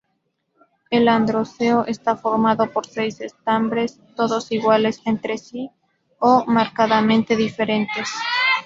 El androceo está formado por seis estambres, todos iguales entre sí o marcadamente diferentes.